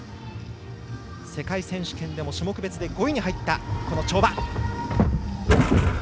世界選手権でも種目別で５位に入った跳馬。